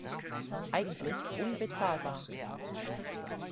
Eigentlich unbezahlbar.